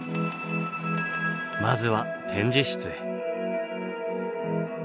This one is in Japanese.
まずは展示室へ。